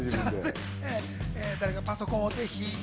誰かパソコンをぜひ。